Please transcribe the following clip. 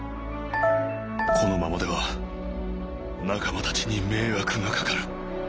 「このままでは仲間たちに迷惑がかかる」。